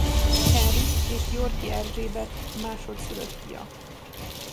Henrik és Yorki Erzsébet másodszülött fia.